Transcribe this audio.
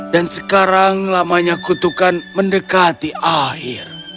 dan sekarang lamanya kutukan mendekati akhir